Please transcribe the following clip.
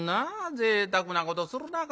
ぜいたくなことするなぁ金持ち